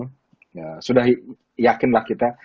ya sudah yakin lah kita